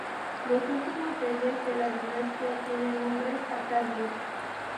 Los últimos reyes de la dinastía tienen nombres acadios.